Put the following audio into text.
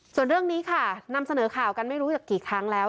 ส่วนเรื่องนี้ค่ะนำเสนอข่าวกันไม่รู้จากกี่ครั้งแล้ว